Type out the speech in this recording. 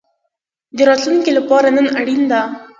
د راتلونکي لپاره نن اړین ده